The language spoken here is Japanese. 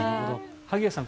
萩谷さん